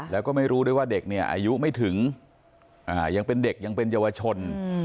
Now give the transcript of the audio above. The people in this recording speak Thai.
แล้วก็ไม่รู้ด้วยว่าเด็กเนี่ยอายุไม่ถึงยังเป็นเด็กยังเป็นเยาวชน